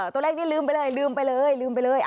ตัวเลขนี้ลืมไปเลยลืมไปเลยลืมไปเลย